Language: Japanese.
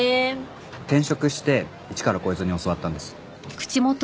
転職して一からこいつに教わったんです。